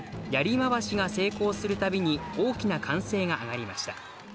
まわしが成功するたびに大きな歓声が上がりました。